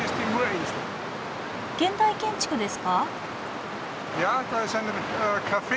現代建築ですか？